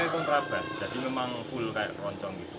itu bintang bocamp the